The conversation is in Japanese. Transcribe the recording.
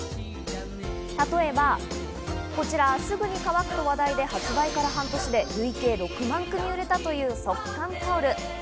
例えば、こちら、すぐに乾くと話題で、発売から半年で累計６万組が売れたという速乾タオル。